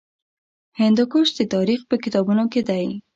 هندوکش د تاریخ په کتابونو کې دی.